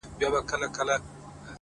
د حقیقت درناوی شخصیت لوړوي!